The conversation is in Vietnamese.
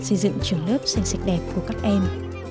xây dựng trường lớp xanh sạch đẹp của các em